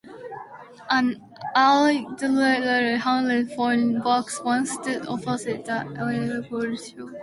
An allegedly 'haunted' phone box once stood opposite the Hendy Ford car showroom.